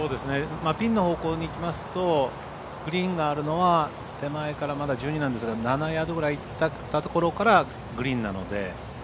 ピンの方向にいきますとグリーンのほうは手前からまだ１２なんですが７ヤードぐらいいったところからグリーンなので。